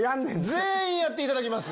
全員やっていただきます。